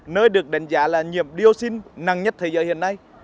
nơi được đánh giá là nhiệm dioxin năng nhất thế giới hiện nay